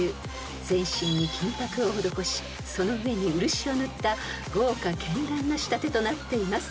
［全身に金箔を施しその上に漆を塗った豪華絢爛な仕立てとなっています］